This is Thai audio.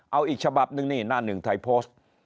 เอาอีกฉบับหนึ่งนี่หน้าหนึ่งไทยโพสต์